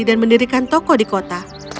dan mendirikan toko di kota